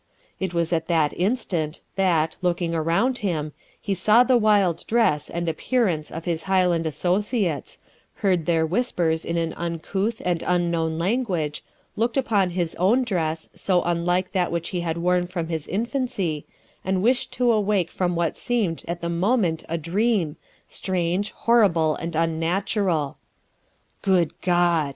It was at that instant, that, looking around him, he saw the wild dress and appearance of his Highland associates, heard their whispers in an uncouth and unknown language, looked upon his own dress, so unlike that which he had worn from his infancy, and wished to awake from what seemed at the moment a dream, strange, horrible, and unnatural. 'Good God!'